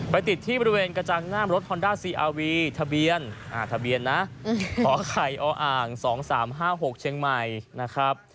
ติดที่บริเวณกระจังหน้ามรถฮอนด้าซีอาวีทะเบียนทะเบียนนะขอไข่ออ่าง๒๓๕๖เชียงใหม่นะครับ